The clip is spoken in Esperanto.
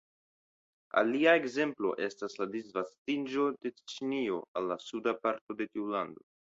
Alia ekzemplo estas la disvastiĝon de Ĉinio al la sudo parto de tiu lando.